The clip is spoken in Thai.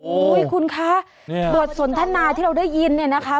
คุณคะบทสนทนาที่เราได้ยินเนี่ยนะคะ